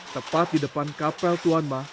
tepat di depan kapel tuan ma